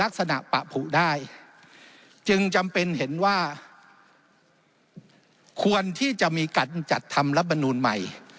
ลักษณะปะผูได้จึงจำเป็นเห็นว่าควรที่จะมีการจัดทำรัฐมนูลใหม่